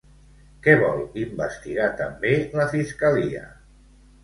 Què vol investigar també la Fiscalia?